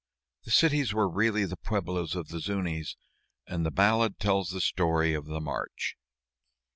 The cities were really the pueblos of the Zuñis, and the ballad tells the story of the march.